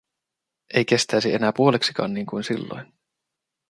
Ei kestäisi enää puoleksikaan niinkuin silloin.